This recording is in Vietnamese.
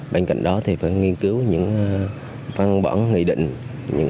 bên cạnh đó thì phải nghiên cứu những phân bản nghị định mới nhất